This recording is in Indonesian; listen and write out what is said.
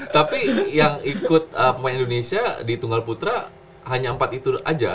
tapi yang ikut pemain indonesia di tunggal putra hanya empat itu aja